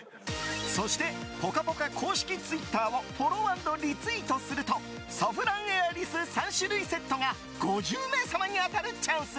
そして「ぽかぽか」公式ツイッターをフォロー＆リツイートするとソフランエアリス３種類セットが５０名様に当たるチャンス！